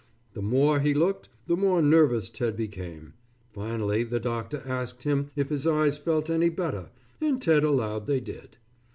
The more he looked, the more nervous Ted became. Finally, the doctor asked him if his eyes felt any better, and Ted allowed they did.